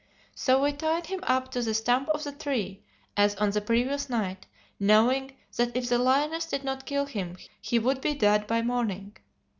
So we tied him up to the stump of the tree as on the previous night, knowing that if the lioness did not kill him he would be dead by morning.